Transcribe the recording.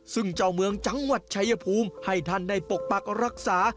ซึ่งเจ้าเมืองจังหวัดชายภูมิให้ท่านได้ปกปักรักษา